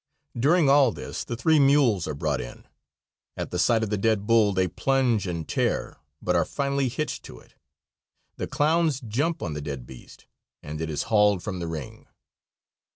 During all this the three mules are brought in. At the sight of the dead bull they plunge and tear, but are finally hitched to it. The clowns jump on the dead beast, and it is hauled from the ring.